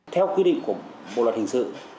theo quy định của bộ luật hình sự